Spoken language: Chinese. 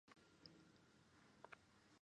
超过一百用汉字词加固有词。